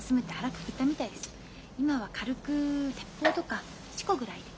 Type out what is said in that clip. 今は軽く鉄砲とか四股ぐらいで。